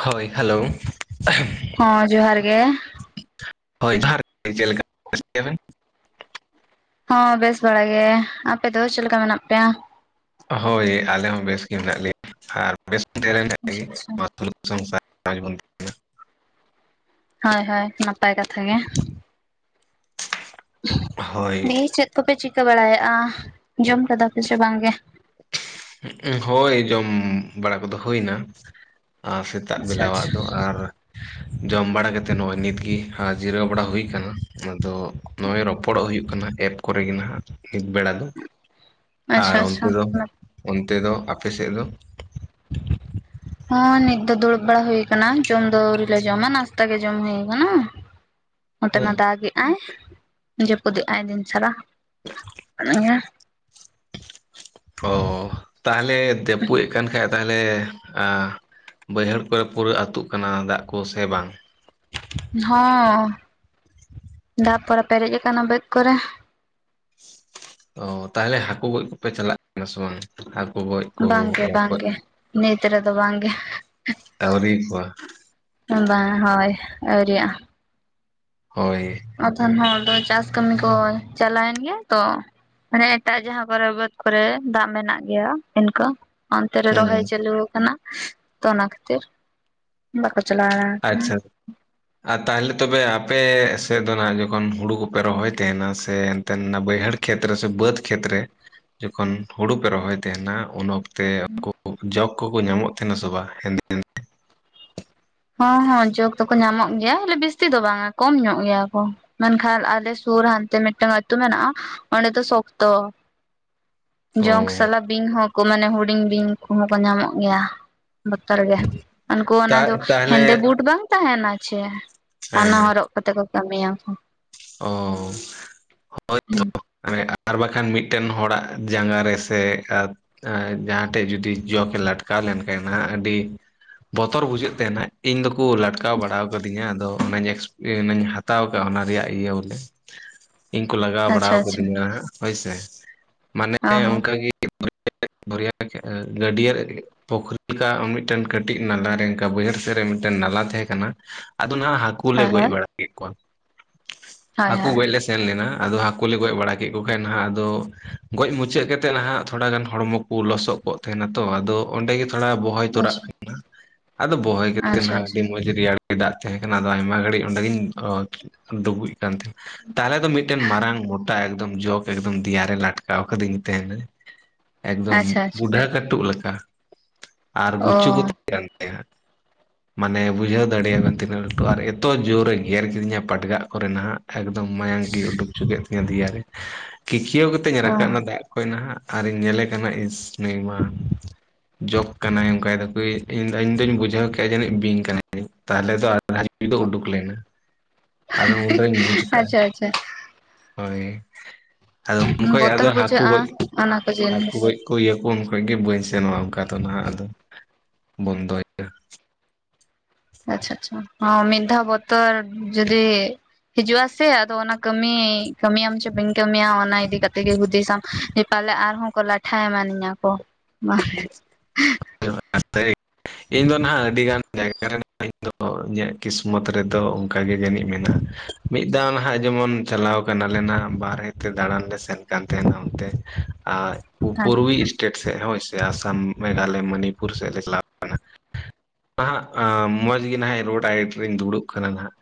ᱠᱷᱚᱣᱭ [unintelligible] hello ᱦᱚᱸ ᱡᱚᱦᱟᱨ ᱜᱮ ᱦᱳᱭ ᱡᱚᱦᱟᱨ ᱪᱮᱫ ᱞᱮᱠ [unintelligible] ᱟᱟᱹᱥᱤᱭᱟᱵᱮᱱ [unintelligible] ᱦᱚᱸ ᱵᱮᱥ ᱵᱟᱲᱟ ᱜᱮ ᱾ ᱟᱯᱮ ᱫᱚ ᱪᱮᱫ ᱞᱮᱠᱟ ᱢᱮᱱᱟᱜ ᱯᱮᱭᱟ? ᱦᱳᱭ ᱟᱞᱮ ᱦᱚᱸ ᱵᱮᱥ ᱜᱮ ᱢᱮᱱᱟᱜ ᱞᱮᱭᱟ ᱟᱨ ᱟᱪᱪᱷᱟ ᱟᱪᱪᱷᱟ [unintelligible] ᱥᱚᱝᱥᱟᱨᱟᱱ [unintelligible] ᱡᱮᱢᱚᱱ ᱦᱚᱭ ᱦᱚᱭ ᱱᱟᱯᱟᱭ ᱠᱟᱛᱷᱟ ᱜᱮ ᱾ ᱦᱳᱭ ᱫᱤᱭ [unintelligible] ᱪᱮᱫ ᱠᱚᱯᱮ ᱪᱤᱠᱟᱹ ᱵᱟᱲᱟᱭᱮᱜᱼᱟ, ᱡᱚᱢ ᱠᱮᱫᱟ ᱯᱮ ᱪᱮ ᱵᱟᱝ ᱜᱮ? ᱪᱤᱠᱟᱹ, ᱦᱳᱭ ᱡᱚᱢ ᱵᱟᱲᱟ ᱠᱚᱫᱚ ᱦᱩᱭᱱᱟ ᱾ ᱟᱨ ᱥᱤᱛ ᱥᱮᱛᱟᱜ ᱟᱪᱪᱷᱟ ᱵᱮᱞᱟᱣᱟᱜ ᱟᱪᱪᱷᱟ ᱫᱚ ᱟᱨ ᱼᱺ ᱡᱚᱢ ᱵᱟᱲᱟ ᱠᱟᱛᱮ ᱱᱚᱜᱼᱚᱭ ᱱᱤᱛ ᱜᱤ ᱦᱟᱸ ᱡᱤᱨᱟᱹᱣ ᱵᱟᱲᱟ ᱦᱩᱭ ᱠᱟᱱᱟ ᱾ ᱟᱸᱫᱚᱜᱼᱼ ᱱᱚᱜᱼᱚᱭ ᱨᱚᱯᱚᱲᱚᱜ ᱦᱩᱭᱩᱜ ᱠᱟᱱᱟ ᱮᱯ ᱠᱚᱨᱮ ᱜᱮ ᱱᱟᱜ ᱱᱤᱛ ᱵᱮᱲᱟ ᱫᱚ ᱾ ᱟᱨ ᱟᱪᱪᱷᱟ ᱩᱱᱛᱤ ᱫᱚ, ᱟᱪᱪᱷᱟ ᱚᱱᱛᱮ ᱫᱚ ᱟᱯᱮ ᱥᱮᱜ ᱫᱚ? ᱦᱚᱸ ᱱᱤᱛ ᱫᱚ ᱫᱩᱲᱩᱵ ᱵᱟᱲᱟ ᱦᱩᱭ ᱟᱠᱟᱱᱟ, ᱡᱚᱢ ᱫᱚ ᱟᱹᱣᱨᱤ ᱞᱮ ᱡᱚᱢᱟ ᱱᱟᱥᱛᱟ ᱜᱮ ᱡᱚᱢ ᱦᱩᱭ ᱠᱟᱱᱟ ᱾ ᱱᱚᱛᱮ ᱦᱮᱸ ᱢᱟ ᱫᱟᱜᱮᱜ ᱟᱭ ᱡᱟᱹᱯᱩᱫᱮᱜ ᱟᱭ ᱫᱤᱱ ᱥᱟᱨᱟ ᱾ ᱚ ᱛᱟᱦᱞᱮ ᱫᱮᱯᱩᱭᱚᱜ [unintelligible] ᱠᱟᱱ ᱠᱷᱟᱡᱼᱼ ᱛᱟᱦᱞᱮ ᱟ, ᱵᱟᱹᱭᱦᱟᱹᱲ ᱠᱚᱨᱮ ᱯᱩᱨᱟᱹ ᱟᱹᱛᱩᱜ ᱠᱟᱱᱟ ᱫᱟᱜ ᱠᱚ ᱥᱮ ᱵᱟᱝ? ᱦᱚᱸ ᱾ ᱫᱟᱜ ᱯᱚᱨᱮ ᱯᱮᱨᱮᱡ ᱟᱠᱟᱱᱟ ᱵᱟᱹᱫᱽ ᱠᱚᱨᱮ ᱾ ᱚ ᱛᱟᱦᱞᱮ ᱦᱟᱹᱠᱩ ᱜᱚᱡ ᱠᱚᱯᱮ ᱪᱟᱞᱟᱜᱼᱼ ᱦᱮᱸ ᱥᱮ ᱵᱟᱝ ᱦᱟᱹᱠᱩ ᱜᱚᱡ ᱠᱚ ᱵᱟᱝᱜᱮ ᱨᱚᱠᱚᱡᱼᱼ ᱵᱟᱝᱜᱮ ᱱᱤᱛ ᱨᱮᱫᱚ ᱵᱟᱝᱜᱮ ᱟᱹᱣᱨᱤ ᱠᱚᱣᱟ ᱼᱼ [unintelligible] ᱵᱟᱝ ᱦᱟᱭ ᱟᱹᱣᱨᱤᱭᱟᱜᱼᱟ ᱾ ᱦᱚᱭ ᱾ ᱟᱛᱷᱟᱱ ᱦᱚᱲ ᱫᱚ ᱪᱟᱥ ᱠᱟᱹᱢᱤ ᱠᱚ ᱪᱟᱞᱟᱭᱮᱱ ᱜᱮᱭᱟ ᱛᱚ ᱾ ᱢᱟᱱᱮ ᱮᱴᱟᱜ ᱡᱟᱦᱟᱸ ᱠᱚᱨᱮ ᱵᱟᱹᱫᱽ ᱠᱚᱨᱮ ᱫᱟᱜ ᱢᱮᱱᱟᱜ ᱜᱮᱭᱟ ᱤᱱᱠᱟ ᱾ ᱚᱱᱛᱮ ᱨᱮ ᱦᱩᱸ ᱨᱚᱦᱚᱭ ᱪᱟᱹᱞᱩ ᱟᱠᱟᱱᱟ, ᱛᱚ ᱚᱱᱟ ᱠᱷᱟᱹᱛᱤᱨᱼᱼ ᱵᱟᱠᱚ ᱪᱟᱞᱟᱣ ᱣᱟᱲᱟ ᱠᱟᱱᱟ ᱟᱪᱪᱷᱟ ᱾ ᱟᱨ ᱛᱟᱦᱚᱞᱮ ᱛᱚᱵᱮ ᱟᱯᱮ ᱥᱮᱜ ᱫᱚ ᱱᱷᱟᱜ ᱡᱚᱠᱷᱚᱱ ᱦᱩᱲᱩ ᱠᱚᱯᱮ ᱨᱚᱦᱚᱭ ᱛᱟᱸᱦᱮᱱᱟ ᱥᱮᱼᱼ ᱛᱮᱱᱟ ᱵᱟᱹᱭᱦᱟᱹᱲ ᱠᱷᱮᱛ ᱨᱮ ᱥᱮ ᱵᱟᱹᱫᱽ ᱠᱷᱮᱛ ᱨᱮ ᱡᱚᱠᱷᱚᱱ ᱦᱩᱲᱩ ᱯᱮ ᱨᱚᱦᱚᱭ ᱛᱟᱸᱦᱮᱱᱟ ᱩᱱ ᱚᱠᱛᱚ ᱛᱮ ᱩᱱᱠᱩ ᱡᱚᱠ ᱠᱚᱠᱚ ᱧᱟᱢᱚᱜ ᱛᱟᱸᱦᱮᱱᱟ ᱥᱮ ᱵᱟᱝ ᱦᱮᱸᱫᱮ ᱦᱮᱸᱫᱮᱼᱼ ᱦᱚᱸ ᱦᱚᱸ ᱡᱚᱠ ᱫᱚᱠᱚ ᱧᱟᱢᱚᱜ ᱜᱮᱭᱟ ᱞᱤᱠᱤᱱ ᱵᱤᱥᱛᱤ ᱫᱚ ᱵᱟᱝ-ᱟ ᱠᱚᱢ ᱧᱚᱜ ᱜᱮᱭᱟ ᱠᱚ ᱾ ᱢᱮᱱᱠᱷᱟᱱ ᱟᱞᱮ ᱥᱩᱨ ᱦᱟᱱᱛᱮ ᱢᱤᱫᱴᱟᱝ ᱟᱹᱛᱩ ᱢᱮᱱᱟᱜᱼᱟ ᱚᱸᱰᱮ ᱫᱚ ᱥᱚᱠᱛᱚ ᱚ ᱡᱚᱸᱠ ᱥᱟᱞᱟᱜ ᱵᱤᱧ ᱦᱚᱸᱠᱚ ᱢᱟᱱᱮ ᱦᱩᱰᱤᱧ ᱵᱤᱧ ᱠᱚᱦᱚᱸ ᱠᱚ ᱧᱟᱢᱚᱜ ᱜᱮᱭᱟ ᱾ ᱵᱚᱛᱚᱨ ᱜᱮ, ᱩᱱᱠᱩ ᱚᱱᱟ ᱛᱟ ᱫᱚ ᱛᱟᱦᱚᱞᱮ ᱦᱮᱸᱫᱮ ᱵᱩᱴ ᱵᱟᱝ ᱛᱟᱸᱦᱮᱱᱟ ᱪᱷᱮ ᱦᱮᱸ ᱚᱱᱟ ᱦᱮᱸ ᱦᱚᱨᱚᱜ ᱠᱟᱛᱮ ᱠᱚ ᱠᱟᱹᱢᱤᱭᱟ ᱾ ᱚ ᱾ ᱦᱩᱸᱜ [unintelligible] ᱟᱨ ᱵᱟᱝᱠᱷᱟᱱ ᱢᱤᱫᱴᱮᱱ ᱦᱚᱲᱟᱜ ᱡᱟᱸᱜᱟ ᱨᱮᱥᱮ [unintelligible] ᱮᱸ ᱡᱟᱦᱟᱸ ᱴᱷᱮᱡ ᱡᱩᱫᱤ ᱡᱚᱠ ᱮ ᱞᱟᱴᱠᱟᱣ ᱞᱮᱱᱠᱷᱟᱱ ᱟᱹᱰᱤ ᱵᱚᱛᱚᱨ ᱵᱩᱡᱷᱟᱹᱜ ᱛᱟᱦᱮᱱᱟ, ᱤᱧ ᱫᱚᱠᱚ ᱞᱟᱴᱠᱟᱣ ᱵᱟᱲᱟ ᱟᱠᱟᱫᱤᱧᱟ᱾ ᱟᱫᱚ ᱚᱱᱟ ᱮᱠᱥᱯ ᱚᱱᱟ ᱦᱟᱛᱟᱣ ᱠᱟᱜ ᱚᱱᱟ ᱨᱮᱭᱟᱜ ᱤᱭᱟᱹ ᱵᱚᱞᱮ ᱤᱧ ᱠᱚ ᱞᱟᱜᱟᱣ ᱵᱟᱲᱟ ᱠᱟᱸᱫᱤᱧᱟ ᱦᱟᱸᱜ ᱦᱚᱭ ᱥᱮ ᱢᱟᱱᱮ ᱚᱱᱠᱟ ᱜᱮ [inaudible] [inaudible] ᱯᱩᱠᱷᱨᱤ ᱞᱮᱠᱟ ᱟᱨ ᱢᱤᱫᱴᱮᱱ ᱠᱟᱹᱴᱤᱡ ᱱᱟᱞᱟ ᱨᱮ ᱮᱱᱠᱟ ᱵᱟᱹᱭᱦᱟᱹᱲ ᱥᱮᱫ ᱨᱮ ᱢᱤᱫᱴᱮᱱ ᱱᱟᱞᱟ ᱛᱟᱦᱮᱸ ᱠᱟᱱᱟ ᱾ ᱟᱫᱚ ᱱᱟᱦᱟᱜ ᱦᱟᱹᱠᱩ ᱦᱟᱹᱠᱩ ᱜᱚᱡ ᱵᱟᱲᱟ ᱠᱮᱫ ᱠᱚᱣᱟ, ᱦᱟᱹᱠᱩ ᱜᱚᱡ ᱞᱮ ᱥᱮᱱ ᱞᱮᱱᱟ ᱟᱫᱚ ᱦᱟᱹᱠᱩ ᱞᱮ ᱜᱚᱡ ᱵᱟᱲᱟ ᱜᱮᱜ ᱠᱚ ᱠᱷᱟᱡ ᱱᱟᱦᱟᱜ ᱟᱫᱚ ᱜᱚᱡ ᱢᱩᱪᱟᱹᱫ ᱠᱟᱛᱮᱫ ᱱᱟᱦᱟᱜ ᱛᱷᱚᱲᱟ ᱜᱟᱱ ᱦᱚᱲᱢᱚ ᱠᱚ ᱞᱚᱥᱚᱜ ᱯᱚᱜ ᱛᱟᱦᱮᱱᱟ ᱛᱚ, ᱟᱫᱚ ᱚᱸᱰᱮ ᱜᱮ ᱛᱷᱚᱲᱟ ᱵᱚᱦᱚᱭ ᱛᱚᱨᱟᱜ ᱦᱩᱭᱩᱜ-ᱟ᱾ ᱟᱫᱚ ᱵᱚᱦᱚᱭ ᱠᱟᱛᱮ ᱱᱟᱦᱟᱜ ᱟ. ᱰᱤ ᱢᱚᱸᱡᱽ ᱜᱮ ᱨᱮᱭᱟᱲ ᱫᱟᱜ ᱛᱟᱦᱮ ᱠᱟᱱᱟ, ᱟᱫᱚ ᱟᱭᱢᱟ ᱜᱷᱟᱲᱤ ᱚᱸᱰᱮ ᱜᱮᱧ ᱰᱩᱵᱩᱡ ᱠᱟᱱᱛᱮ ᱛᱟᱦᱚᱞᱮ ᱫᱚ ᱢᱤᱫᱴᱮᱱ ᱢᱟᱨᱟᱝ ᱢᱚᱴᱟ ᱡᱚᱠᱚ ᱮᱠᱫᱚᱢ ᱫᱤᱭᱟᱨᱮ ᱞᱟᱴᱠᱟᱣ ᱠᱟᱹᱫᱤᱧ ᱛᱟᱦᱮᱱᱟ ᱾ ᱮᱠᱫᱚᱢ ᱟᱪᱪᱷᱟ ᱵᱩᱰᱷᱟᱹ ᱠᱟᱹᱴᱩᱵ ᱞᱮᱠᱟ ᱟᱨ ᱚ ᱜᱩᱪᱩ ᱦᱚᱸ ᱛᱟᱦᱮᱸ ᱠᱟᱱ ᱛᱟᱭᱟ ᱾ ᱢᱟᱱᱮ ᱵᱩᱡᱷᱟᱹᱣ ᱫᱟᱲᱮᱭᱟ ᱛᱤᱱᱟᱹᱜ ᱞᱟᱹᱴᱩ ᱟᱨ ᱮᱛᱚ ᱡᱳᱨᱮ ᱮ ᱜᱮᱨ ᱠᱤᱫᱤᱧᱟ ᱯᱟᱸᱰᱜᱟᱜ ᱠᱚᱨᱮ ᱱᱟᱦᱟᱜ ᱾ ᱮᱠᱫᱚᱢ ᱢᱟᱭᱟᱝ ᱜᱮᱭ ᱩᱰᱩᱠ ᱩᱪᱩ ᱠᱮᱫ ᱛᱤᱧᱟᱹ ᱫᱮᱭᱟᱨᱮ ᱾ ᱠᱤᱠᱤᱭᱟᱹᱣ ᱠᱟᱛᱮ ᱤᱧ ᱨᱟᱠᱟᱵ ᱮᱱᱟ, ᱫᱟᱜ ᱠᱷᱚᱱ ᱱᱟᱦᱟᱜ ᱟᱨᱤᱧ ᱧᱮᱞᱮ ᱠᱟᱱᱟ ᱤᱥ ᱱᱩᱭ ᱢᱟ ᱡᱚᱠ ᱠᱟᱱᱟᱭ ᱚᱱᱠᱟᱭᱫᱟ ᱯᱮ ᱤᱧ ᱫᱚᱧ ᱵᱩᱡᱷᱟᱹᱣ ᱠᱮᱫ-ᱟ ᱡᱟᱹᱱᱤᱡ ᱵᱤᱧ ᱠᱟᱱᱟᱭ ᱛᱟᱦᱚᱞᱮ ᱫᱚ [inaudible] ᱟᱨ ᱦᱚᱸ ᱵᱩᱧ ᱵᱩᱡᱽ ᱠᱟᱜ-ᱟ ᱟᱪᱪᱷᱟ ᱟᱪᱪᱷᱟ ᱦᱳᱭ ᱾ ᱟᱫᱚ ᱩᱱ ᱠᱷᱚᱡ ᱟᱫᱚ ᱵᱚᱛᱚᱨ ᱦᱟᱹᱠᱩ ᱜᱚᱡ ᱵᱩᱡᱷᱟᱹᱜᱼᱟ ᱚᱱᱟ ᱠᱚ ᱦᱟᱹᱠᱩ ᱡᱤᱱᱤᱥ ᱜᱚᱡ ᱤᱭᱟᱹ ᱠᱩ ᱩᱱ ᱠᱷᱚᱡ ᱜᱮ ᱵᱟᱹᱧ ᱥᱮᱱᱚᱜᱼᱟ ᱚᱱᱠᱟ ᱫᱚ ᱱᱟᱦᱟᱜ ᱟᱫᱚ ᱵᱚᱱᱫᱚ ᱟᱪᱪᱷᱟ, ᱟᱪᱪᱷᱟ ᱦᱚᱸ ᱢᱤᱫ ᱫᱟᱣ ᱵᱚᱛᱚᱨ ᱡᱩᱫᱤ ᱦᱤᱡᱩᱜ-ᱟ ᱥᱮ ᱟᱫᱚ ᱚᱱᱟ ᱠᱟᱹᱢᱤ ᱠᱟᱹᱢᱤᱭᱟᱢ ᱪᱮᱸ ᱵᱟᱹᱧ ᱠᱟᱹᱢᱤᱭᱟ, ᱚᱱᱟ ᱤᱫᱤ ᱠᱟᱛᱮ ᱜᱮ ᱦᱩᱫᱤᱥᱟᱢ ᱯᱟᱞᱮ ᱟᱨᱦᱚᱸ ᱠᱚ ᱞᱟ ᱴᱷᱮ ᱮᱢᱟᱱ ᱤᱧᱟ ᱠᱚ ᱾ ᱤᱧ ᱫᱚ ᱱᱟᱦᱟᱜ ᱟᱹᱰᱤ ᱜᱟᱱ ᱡᱟᱭᱜᱟ ᱨᱮ ᱤᱧ ᱫᱚ ᱠᱚᱜ ᱡᱮ ᱠᱤᱥᱢᱚᱛ ᱨᱮᱫᱚ ᱚᱱᱠᱟ ᱜᱮ ᱡᱟᱹᱱᱤᱡ ᱢᱮᱱᱟᱜᱼᱟ, ᱢᱤᱫ ᱫᱷᱟᱣ ᱱᱟᱦᱟᱜ ᱡᱮᱢᱚᱱ ᱪᱟᱞᱟᱣ ᱠᱟᱱᱟᱞᱮ ᱱᱟᱦᱟᱜ ᱵᱟᱨᱦᱮ ᱛᱮ ᱫᱟᱬᱟᱱ ᱞᱮ ᱥᱮᱱ ᱠᱟᱱ ᱛᱟᱦᱮᱱᱟ ᱚᱱᱛᱮ ᱟᱨ ᱯᱩᱨᱩᱭ ᱦᱳᱭ ᱤᱥᱴᱮᱴ ᱥᱮᱫ ᱦᱚᱭ ᱥᱮ ᱟᱥᱟᱢ ᱢᱮᱜᱷᱟᱞᱚᱭ, ᱢᱟᱱᱤᱯᱩᱨ ᱥᱮᱫ ᱞᱮ ᱪᱟᱞᱟᱣ ᱞᱮᱱᱟ ᱾ ᱢᱚᱡᱽ ᱜᱤ ᱱᱟᱦᱟᱜ ᱨᱳᱰ ᱟᱭᱮᱴ ᱨᱮᱧ ᱫᱩᱲᱩᱵ ᱠᱟᱱᱟ ᱱᱟᱦᱟᱜ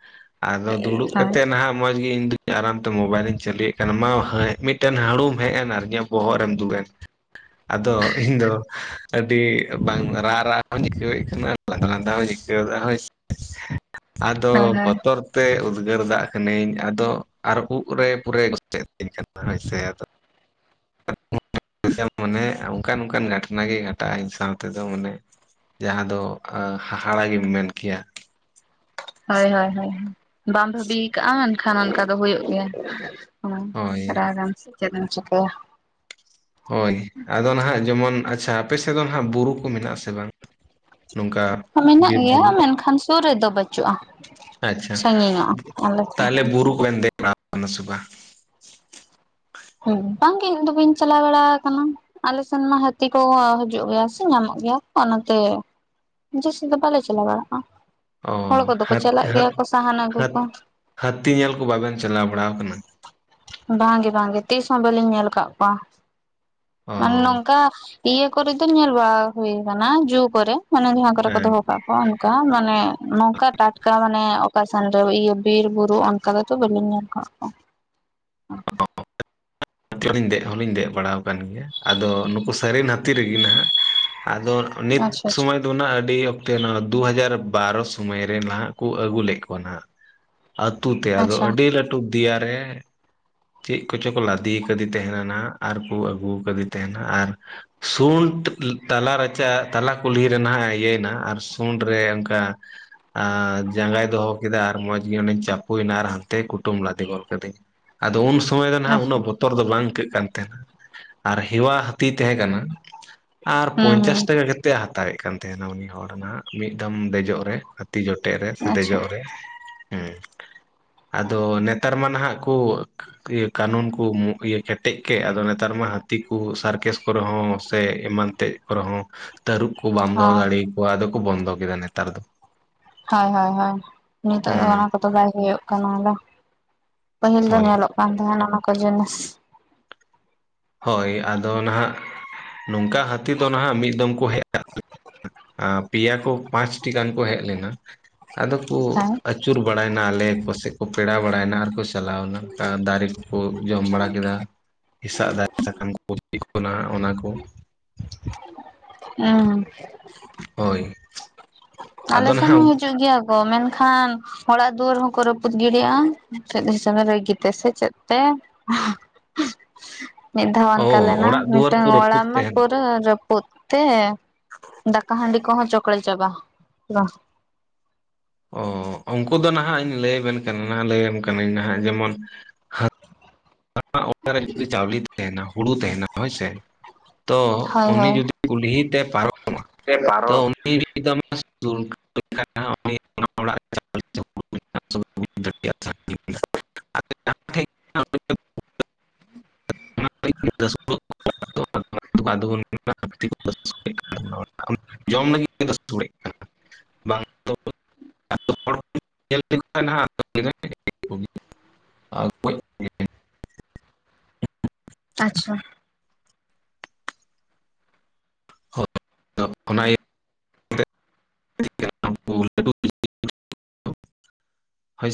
ᱟᱫᱚ ᱫᱩᱲᱩᱵ ᱠᱟᱛᱮ ᱱᱟᱦᱟᱜ ᱢᱚᱡᱽ ᱜᱮ ᱤᱧ ᱫᱩ ᱟᱨᱟᱢᱛᱮ ᱢᱚᱵᱟᱭᱤᱞ ᱤᱧ ᱪᱟᱹᱞᱩᱭᱮᱜ ᱠᱟᱱ, ᱢᱟ ᱢᱤᱫᱴᱮᱱ ᱦᱟᱲᱩᱢ ᱦᱮᱡ ᱮᱱ ᱟᱨ ᱤᱧᱟᱹᱜ ᱵᱚᱦᱚᱜ ᱨᱮᱢ ᱫᱩᱲᱩᱵ ᱮᱱ ᱟᱫᱚ ᱤᱧ ᱫᱚ ᱟᱹᱰᱤ ᱵᱟᱝ ᱨᱟᱜ, ᱨᱟᱜ ᱦᱚᱸᱧ ᱟᱭᱠᱟᱹᱣᱮᱫ ᱠᱟᱱᱟ, ᱞᱟᱸᱫᱟ ᱞᱟᱸᱫᱟ ᱦᱚᱸᱧ ᱟᱭᱠᱟᱹᱣᱫᱟ ᱦᱳᱭ ᱥᱮ ᱾ ᱟᱫᱚ ᱵᱚᱛᱚᱨ ᱛᱮ ᱩᱫᱽᱜᱟᱹᱨ ᱫᱟᱜ ᱠᱟᱹᱱᱟᱹᱧ, ᱟᱫᱚ ᱟᱨ ᱩᱵ ᱨᱮ ᱯᱩᱨᱟᱹᱭ ᱜᱚᱪᱮ ᱛᱤᱧ ᱠᱟᱱᱟ ᱦᱳ ᱥᱮ ᱟᱫᱚ ᱚᱱᱮ ᱚᱱᱠᱟᱱ ᱚᱱᱠᱟᱱ ᱜᱷᱟᱴᱱᱟ ᱜᱮ ᱜᱷᱟᱴ ᱱᱟ ᱜᱷᱚᱴᱟᱜ ᱤᱧ ᱥᱟᱶ ᱛᱮᱫᱚ ᱢᱟᱱᱮ ᱡᱟᱦᱟᱸ ᱫᱚ ᱦᱟᱦᱟᱲᱟ ᱜᱮᱢ ᱢᱮᱱ ᱠᱮᱭᱟ ᱾ ᱦᱳᱭ, ᱦᱳᱭ, ᱦᱳᱭ ᱵᱟᱢ ᱵᱷᱟᱵᱤᱭ ᱠᱟᱜᱼᱟ, ᱢᱮᱱᱠᱷᱟᱱ ᱚᱱᱠᱟ ᱫᱚ ᱦᱩᱭᱩᱜ ᱜᱮᱭᱟ ᱾ ᱦᱩᱸ ᱦᱳᱭ ᱨᱟᱜᱟᱢ ᱥᱮ ᱪᱮᱫ ᱮᱢ ᱪᱮᱠᱟᱭᱟ ᱾ ᱦᱳᱭ ᱟᱫᱚ ᱱᱟᱦᱟᱜ ᱡᱮᱢᱚᱱ ᱟᱪᱪᱷᱟ ᱟᱯᱮ ᱥᱮᱫ ᱫᱚ ᱱᱟᱦᱟᱜ ᱵᱩᱨᱩ ᱠᱩ ᱢᱮᱱᱟᱜᱼᱟ ᱥᱮ ᱵᱟᱝ? ᱱᱚᱝᱠᱟ ᱢᱮᱱᱟᱜ ᱵᱤᱨ ᱜᱮᱭᱟ ᱵᱩᱨᱩ ᱢᱮᱱᱠᱷᱟᱱ ᱥᱩᱨ ᱨᱮᱫᱚ ᱵᱟᱹᱪᱩᱜ-ᱟ᱾ ᱟᱪᱪᱷᱟ ᱥᱟᱺᱜᱤᱧᱚᱜᱼᱟ ᱟᱞᱮ ᱠᱷᱚᱱ ᱛᱟᱦᱚᱞᱮ ᱾ ᱵᱩᱨᱩ ᱨᱮᱢ ᱫᱮᱡ ᱵᱟᱲᱟᱣ ᱠᱟᱱᱟ ᱥᱮ ᱵᱟᱝ? ᱵᱟᱝ ᱜᱤ ᱤᱧ ᱫᱚ ᱵᱟᱹᱧ ᱪᱟᱞᱟᱣ ᱵᱟᱲᱟ ᱟᱠᱟᱱᱟ᱾ ᱟᱞᱮ ᱥᱮᱱ ᱢᱟ ᱦᱟᱹᱛᱤ ᱠᱚ ᱦᱤᱡᱩᱜ ᱜᱮᱭᱟ ᱥᱮ ᱧᱟᱢᱚᱜ ᱜᱮᱭᱟ ᱚᱱᱟᱛᱮ᱾ ᱡᱟᱹᱥᱛᱤ ᱫᱚ ᱵᱟᱞᱮ ᱪᱟᱞᱟ ᱵᱟᱲᱟᱜ-ᱟ᱾ ᱚ ᱦᱟᱹᱛ ᱦᱟᱹᱛ ᱟᱹᱜᱩ ᱦᱟᱹᱛ ᱠᱚ ᱦᱟᱹᱛᱤ ᱧᱮᱞ ᱠᱚ ᱵᱟᱵᱮᱱ ᱪᱟᱞᱟᱣ ᱵᱟᱲᱟᱣ ᱟᱠᱟᱱᱟ᱾ ᱵᱟᱝ ᱜᱮ ᱵᱟᱝ ᱜᱮ ᱛᱤᱥ ᱦᱚᱸ ᱵᱟᱹᱞᱤᱧ ᱧᱮᱞ ᱟᱠᱟᱜ ᱠᱚᱣᱟ ᱚ ᱢᱟᱱᱮ ᱱᱚᱝᱠᱟ᱾ ᱤᱭᱟᱹ ᱠᱚᱨᱮ ᱫᱚᱧ ᱧᱮᱞ ᱵᱟᱲᱟ ᱦᱩᱭ ᱠᱟᱱᱟ ᱡᱩ ᱠᱚᱨᱮ ᱢᱟᱱᱮ ᱡᱟᱸᱦᱟᱸ ᱠᱚᱨᱮ ᱠᱚ ᱦᱮᱸ ᱫᱚᱦᱚ ᱠᱟᱜ ᱠᱚᱣᱟ ᱚᱱᱮ, ᱚᱱᱠᱟ ᱢᱟᱱᱮ ᱱᱚᱝᱠᱟ ᱴᱟᱴᱠᱟ ᱢᱟᱱᱮ ᱚᱠᱟ ᱥᱮᱱ ᱨᱮ ᱤᱭᱟᱹ ᱵᱤᱨ ᱵᱩᱨᱩ ᱚᱱᱠᱟ ᱫᱚ ᱛᱚ ᱵᱟᱹᱞᱤᱧ ᱧᱮᱞ [inaudible] [inaudible] ᱟᱫᱚ ᱞᱤᱧ ᱫᱮᱡ ᱦᱚᱞᱤᱧ ᱫᱮᱡ ᱵᱟᱲᱟᱣ ᱠᱟᱱ ᱜᱮᱭᱟ, ᱟᱫᱚ ᱱᱩᱠᱩ ᱥᱟᱹᱨᱤᱱ ᱦᱟᱹᱛᱤ ᱨᱮᱜᱮ ᱱᱟᱦᱟᱜ ᱟᱫᱚ ᱱᱤᱛ ᱟᱪᱪᱷᱟ ᱟᱪᱪᱷᱟ ᱥᱚᱢᱚᱭ ᱟᱫᱚ ᱱᱟᱦᱟᱜ ᱟᱹᱰᱤ ᱚᱠᱛᱮ ᱱᱚᱣᱟ ᱫᱩ ᱦᱟᱡᱟᱨ ᱵᱟᱨᱚ ᱥᱚᱢᱚᱭ ᱨᱮ ᱱᱟᱦᱟᱜ ᱠᱚ ᱟᱹᱜᱩ ᱞᱮᱫ ᱠᱚᱣᱟ ᱱᱟᱦᱟᱜ᱾ ᱟᱹᱛᱩ ᱛᱮ ᱟᱫᱚ ᱟᱪᱪᱷᱟ ᱟᱹᱰᱤ ᱞᱟᱹᱴᱩ ᱫᱮᱭᱟ ᱨᱮ, ᱪᱮᱫ ᱠᱚᱪᱚ ᱠᱚ ᱞᱟᱫᱮ ᱟᱠᱟᱫᱮ ᱛᱟᱦᱮᱸᱱᱟ ᱱᱟᱦᱟᱜ ᱟᱨ ᱠᱩ ᱟᱹᱜᱩ ᱠᱟᱹᱫᱤ ᱛᱟᱦᱮᱱᱟ ᱟᱨ ᱥᱩᱱᱰ ᱛᱟᱞᱟ ᱨᱟᱪᱟ ᱛᱟᱞᱟ ᱠᱩᱞᱦᱤ ᱨᱮ ᱱᱟᱦᱟᱜ ᱮ ᱤᱭᱟᱹᱭᱮᱱᱟ ᱟᱨ ᱥᱩᱱᱰ ᱨᱮ ᱚᱱᱠᱟ ᱟᱨ ᱡᱟᱸᱜᱟᱭ ᱫᱚᱦᱚ ᱠᱮᱫᱟ ᱟᱨ ᱢᱚᱸᱡᱽ ᱜᱮ ᱚᱸᱰᱮᱧ ᱪᱟᱯᱩᱭᱮᱱᱟ ᱟᱨ ᱦᱟᱱᱛᱮ ᱠᱩᱴᱩᱢ ᱞᱟᱫᱮ ᱜᱚᱫ ᱠᱟᱹᱫᱤᱧᱟ᱾ ᱟᱫᱚ ᱩᱱ ᱥᱚᱢᱚᱭ ᱫᱚ ᱱᱟᱦᱟᱜ ᱟᱪᱪᱷᱟ ᱩᱱᱟᱹᱜ ᱵᱚᱛᱚᱨ ᱟᱫᱚ ᱵᱟᱝ ᱤᱠᱟᱹᱜ ᱠᱟᱱ ᱛᱟᱦᱮᱱᱟ ᱟᱨ ᱦᱮᱣᱟ ᱦᱟᱹᱛᱤ ᱛᱟᱦᱮᱸ ᱠᱟᱱᱟ᱾ ᱟᱨ ᱦᱩᱸ ᱯᱚᱧᱪᱟᱥ ᱦᱩᱸ ᱴᱟᱠᱟ ᱠᱟᱛᱮᱫ ᱮ ᱦᱟᱛᱟᱣᱮᱫ ᱠᱟᱱ ᱛᱟᱦᱮᱱᱟ ᱩᱱᱤ ᱦᱚᱲ ᱱᱟᱦᱟᱜ ᱢᱤᱫ ᱫᱚᱢ ᱫᱮᱡᱚᱜ ᱨᱮ᱾ ᱦᱟᱹᱛᱤ ᱡᱚᱴᱮᱫ ᱨᱮ ᱥᱮ ᱟᱪᱪᱷᱟ ᱫᱮᱡᱚᱜ ᱨᱮ᱾ ᱦᱮᱸ, ᱟᱫᱚ ᱱᱮᱛᱟᱨ ᱢᱟ ᱱᱟᱦᱟᱜ ᱠᱩ ᱠᱟᱹᱱᱩᱱ ᱠᱩ ᱢᱚ ᱤᱭᱟᱹ ᱠᱮᱴᱮᱡ ᱠᱮᱜ ᱟᱫᱚ ᱱᱮᱛᱟᱨ ᱢᱟ ᱦᱟᱹᱛᱤ ᱠᱩ ᱥᱟᱨᱠᱮᱥ ᱠᱚᱨᱮ ᱦᱚᱸ ᱥᱮ ᱮᱢᱟᱱ ᱮᱛᱮᱫ ᱠᱚᱨᱮ ᱦᱚᱸ ᱛᱟᱹᱨᱩᱵ ᱠᱚ ᱵᱟᱢ ᱫᱚᱦᱚ ᱦᱚᱸ ᱫᱟᱲᱮ ᱟᱠᱚᱣᱟ ᱟᱫᱚ ᱠᱚ ᱵᱚᱱᱫᱚ ᱠᱮᱫᱟ ᱱᱮᱛᱟᱨ ᱫᱚ᱾ ᱦᱳᱭ ᱦᱳᱭ ᱦᱳᱭ, ᱱᱤᱛᱚᱜ ᱫᱚ ᱚᱱᱟ ᱦᱮᱸ ᱠᱚᱫᱚ ᱵᱟᱭ ᱦᱩᱭᱩᱜ ᱠᱟᱱᱟ ᱟᱫᱚ, ᱯᱟᱹᱦᱤᱞ ᱫᱚ ᱦᱳᱭ ᱧᱮᱞᱚᱜ ᱵᱟᱝ ᱛᱟᱦᱮᱸ ᱠᱟᱱᱟ ᱚᱱᱟ ᱠᱚ ᱡᱤᱱᱤᱥ᱾ ᱦᱳᱭ ᱟᱫᱚ ᱱᱟᱦᱟᱜ, ᱱᱚᱝᱠᱟ ᱦᱟᱹᱛᱤ ᱫᱚ ᱱᱟᱦᱟᱜ ᱢᱤᱫ ᱫᱚᱢ ᱠᱚ ᱦᱮᱡᱟ᱾ ᱟᱸ ᱯᱮᱭᱟ ᱠᱩ ᱯᱟᱸᱪᱴᱤ ᱜᱟᱱ ᱠᱚ ᱦᱮᱡ ᱞᱮᱱᱟ ᱟᱫᱚ ᱠᱩ ᱦᱮᱸ ᱟᱹᱪ ᱟᱹᱪᱩᱨ ᱵᱟᱲᱟᱭᱱᱟ ᱟᱞᱮ ᱠᱚᱥᱮᱡ ᱠᱚ ᱯᱮᱲᱟ ᱵᱟᱲᱟᱭᱱᱟ ᱟᱨᱠᱚ ᱪᱟᱞᱟᱣᱱᱟ, ᱫᱟᱨᱮ ᱠᱚᱠᱚ ᱡᱚᱢ ᱵᱟᱲᱟ ᱠᱮᱫᱟ᱾ ᱦᱮᱥᱟᱜ ᱫᱟᱨᱮ ᱥᱟᱠᱟᱢ ᱠᱚᱠᱚ [inaudible] ᱠᱟᱱᱟ ᱦᱟᱸᱜ ᱚᱱᱟ ᱠᱚ᱾ ᱮᱸ ᱦᱳᱭ ᱟᱞᱮ ᱟᱫᱚ ᱥᱮᱱ ᱦᱚᱸ ᱱᱟᱦᱟᱜ ᱦᱤᱡᱩᱜ ᱜᱮᱭᱟ ᱠᱚ ᱢᱮᱱᱠᱷᱟᱱ᱾ ᱚᱲᱟᱜ ᱫᱩᱣᱟᱹᱨ ᱦᱚᱸᱠᱚ ᱨᱟᱹᱯᱩᱫ ᱜᱤᱰᱤᱭᱟ, ᱪᱮᱫ ᱦᱟ. [inaudible] ᱨᱟᱹᱜᱤ ᱛᱮ ᱥᱮ ᱪᱮᱫ ᱛᱮ᱾ ᱢᱤᱫ ᱫᱷᱟᱣ ᱚ ᱚᱱᱠᱟ ᱞᱮᱱᱟ ᱚᱲᱟᱜ ᱫᱩᱣᱟᱹᱨ ᱢᱤᱫᱴᱟᱝ ᱠᱚ ᱨᱟᱹᱯᱩᱫ ᱚᱲᱟᱜ ᱢᱟ ᱛᱟᱦᱮᱱ ᱯᱩᱨᱟᱹ ᱨᱟᱹ ᱯᱩᱛ ᱛᱮ ᱫᱟᱠᱟ ᱦᱟᱺᱰᱤ ᱠᱚᱦᱚᱸ ᱪᱚᱠᱲᱮᱡ ᱪᱟᱵᱟ᱾ ᱵᱟ ᱚ ᱩᱱᱠᱩ ᱫᱚ ᱱᱟᱦᱟᱜ ᱤᱧ ᱞᱟᱹᱭ ᱟᱵᱮᱱ ᱠᱟᱱᱟ ᱱᱟᱦᱟᱜ ᱞᱟᱹᱭᱟᱢ ᱠᱟᱹᱱᱟᱹᱧ ᱱᱟᱦᱟᱜ ᱡᱮᱢᱚᱱ ᱡᱟᱸᱦᱟᱸ ᱚᱲᱟᱜ ᱨᱮ ᱡᱩᱫᱤ ᱪᱟᱣᱞᱤ ᱛᱟᱦᱮᱱᱟ, ᱦᱩᱲᱩ ᱛᱟᱦᱮᱱᱟ᱾ ᱦᱳᱭ ᱥᱮ, ᱛᱚ ᱦᱳᱭ ᱩᱱᱤ ᱦᱳᱭ ᱡᱩᱫᱤ ᱠᱩᱞᱦᱤ ᱛᱮ ᱯᱟᱨᱚᱢᱚᱜ-ᱟ, ᱛᱚ [inaudible] ᱚᱲᱟᱜ ᱪᱟᱣᱞᱮ ᱡᱚᱢ [inaudible] [inaudible] [inaudible] ᱟᱫᱚ ᱵᱚᱱ [inaudible] [inaudible] ᱡᱚᱢ ᱞᱟᱹᱜᱤᱫ ᱥᱚᱲᱮᱜ ᱠᱟᱱᱟ᱾ ᱵᱟᱝ ᱫᱚ [unintelligible] ᱧᱮᱞ ᱠᱟᱱᱟ ᱱᱟᱜ [unintelligible] ᱟᱨ [unintelligible] ᱟᱪᱪᱷᱟ᱾ ᱟᱨ ᱚᱱᱟ ᱤᱭᱟᱹ ᱛᱮ [unintelligible] ᱦᱳᱭ